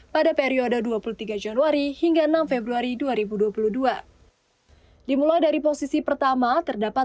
pada periode dua puluh tiga januari hingga enam februari dua ribu dua puluh dua dimulai dari posisi pertama terdapat